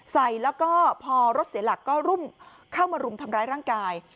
ใส่แล้วก็พอรถเสียหลักก็เข้ามารุมทำร้ายร่างกาย